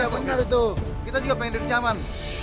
bener bener itu kita juga pengen tidur nyaman